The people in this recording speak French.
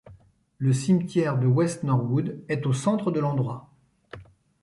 Le cimetière de West Norwood est au centre de l'endroit.